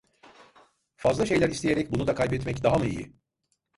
Fazla şeyler isteyerek bunu da kaybetmek daha mı iyi?